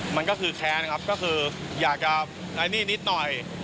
มันก็คือแค้นครับก็คืออยากจะใช้หนี้นิดหน่อย